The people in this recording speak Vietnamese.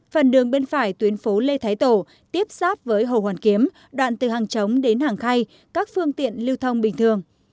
phần đường bên phải tuyến phố lê thái tổ tiếp sát với hồ hoàn kiếm đoạn từ hàng chống đến hàng khay các phương tiện lưu thông bình thường